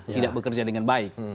tidak bekerja dengan baik